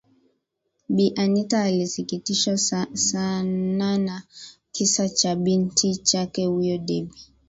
Bi Anita alisikitishwa san ana kisa cha binti huyo Debby